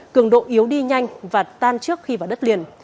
cường độ yếu đi nhanh và tan trước khi vào đất liền